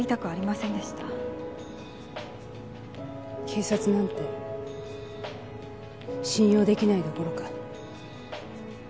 警察なんて信用出来ないどころか。